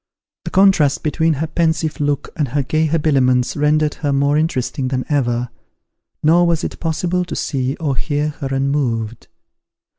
The contrast between her pensive look and her gay habiliments rendered her more interesting than ever, nor was it possible to see or hear her unmoved.